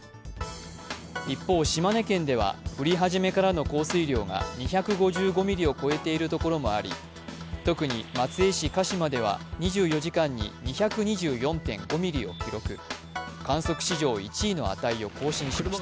一方、島根県では降り始めからの降水量が２５５ミリを超えているところもあり特に松江市鹿島では２４時間に２２４．５ミリを記録、観測史上１位の値を更新しました。